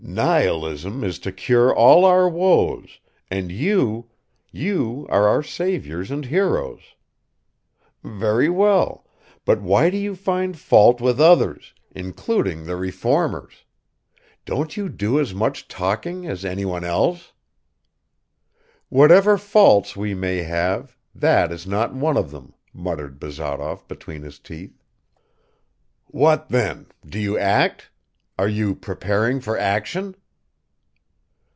"Nihilism is to cure all our woes, and you you are our saviors and heroes. Very well but why do you find fault with others, including the reformers? Don't you do as much talking as anyone else?" "Whatever faults we may have, that is not one of them," muttered Bazarov between his teeth. "What then, do you act? Are you preparing for action?"